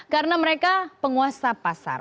karena mereka penguasa pasar